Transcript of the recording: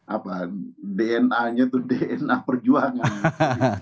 apa dna nya itu dna perjuangan